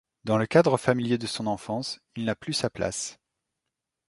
Dans le cadre familier de son enfance, il n'a plus sa place.